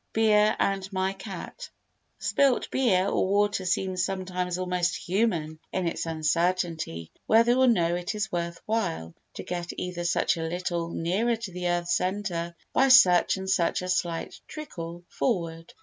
Beer and My Cat Spilt beer or water seems sometimes almost human in its uncertainty whether or no it is worth while to get ever such a little nearer to the earth's centre by such and such a slight trickle forward.